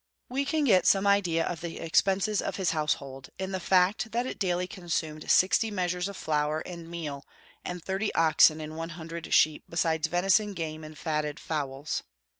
We can get some idea of the expenses of his household, in the fact that it daily consumed sixty measures of flour and meal and thirty oxen and one hundred sheep, besides venison, game, and fatted fowls.